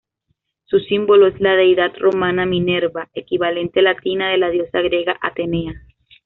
Su símbolo es la deidad romana Minerva, equivalente latina de la diosa griega Atenea.